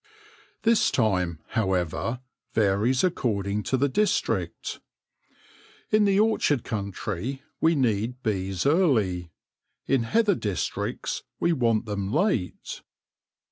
This time, however, varies according to the district. In the orchard country we need bees early ; in heather districts we want them late.